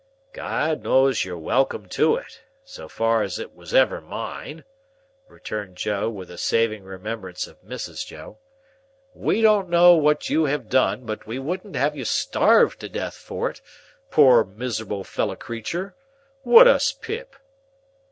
"God knows you're welcome to it,—so far as it was ever mine," returned Joe, with a saving remembrance of Mrs. Joe. "We don't know what you have done, but we wouldn't have you starved to death for it, poor miserable fellow creatur.—Would us, Pip?"